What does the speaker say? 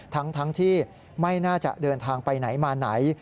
ทั้งที่ไม่น่าจะเดินทางไปไหนมาไหน